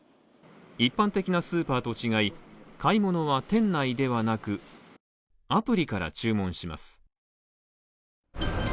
一般的なスーパーと違い、買い物は店内ではなく、アプリから注文します。